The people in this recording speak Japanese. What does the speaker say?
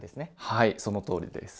はいそのとおりです。